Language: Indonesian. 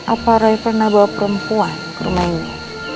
apa rai pernah bawa perempuan ke rumah ini